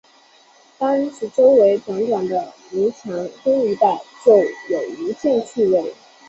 单是周围的短短的泥墙根一带，就有无限趣味